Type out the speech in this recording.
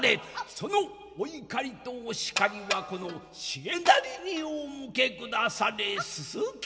そのお怒りとお叱りはこの重成にお向けくだされ薄田殿」。